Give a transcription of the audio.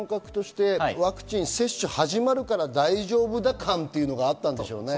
ワクチン接種が始まるから大丈夫だ感があったんでしょうね。